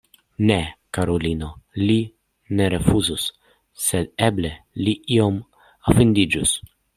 Ne, karulino, li ne rifuzus, sed eble li iom ofendiĝus.